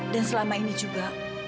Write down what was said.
dan selama ini juga